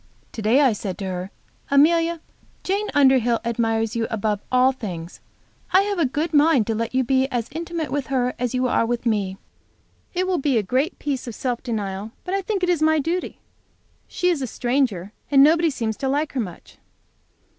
To day I said to her, Amelia, Jane Underhill admires you above all things. I have a good mind to let you be as intimate with her as you are with me. It will be a great piece of self denial, but I think it is my duty. She is a stranger, and nobody seems to like her much.